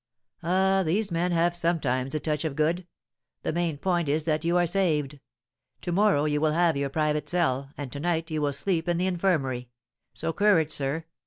"Ah, these men have sometimes a touch of good! The main point is that you are saved. To morrow you will have your private cell, and to night you will sleep in the infirmary. So, courage, sir.